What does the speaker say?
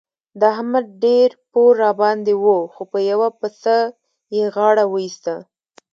د احمد ډېر پور راباندې وو خو په یوه پسه يې غاړه وېسته.